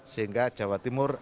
sehingga jawa timur